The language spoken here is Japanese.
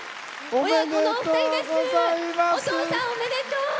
お父さん、おめでとう！